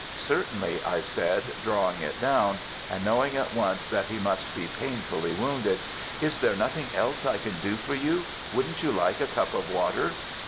"Certainly," I said; drawing it down, and knowing at once that he must be painfully wounded; "is there nothing else I can do for you? wouldn't you like a cup of water?"